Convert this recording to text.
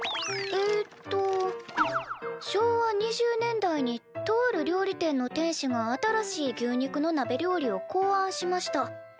えっと「昭和２０年代にとある料理店の店主が新しい牛肉のなべ料理を考案しました。